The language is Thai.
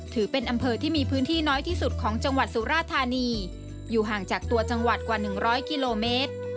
ถือเป็นอำเภอที่มีพื้นที่น้อยที่สุดของจังหวัดสุราธานีอยู่ห่างจากตัวจังหวัดกว่า๑๐๐กิโลเมตร